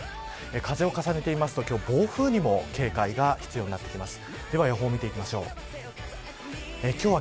風を重ねてみますと今日、暴風に警戒が必要になってきます。